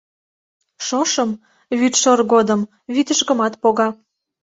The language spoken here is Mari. Шошым, вӱдшор годым, вӱдыжгымат пога.